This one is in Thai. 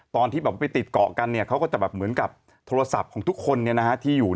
ที่ไปติดเกากันเขาก็แบบกับโทรศัพท์ของทุกคนที่อยู่